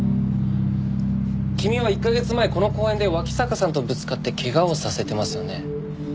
君は１カ月前この公園で脇坂さんとぶつかって怪我をさせてますよね。